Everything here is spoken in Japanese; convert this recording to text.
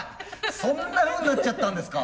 そんなふうになっちゃったんですか。